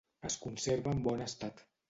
Es conserva en bon estat.